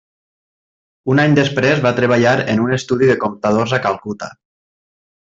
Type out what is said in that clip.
Un any després va treballar en un estudi de comptadors a Calcuta.